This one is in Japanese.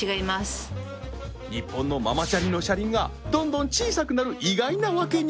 日本のママチャリの車輪がどんどん小さくなる意外なワケに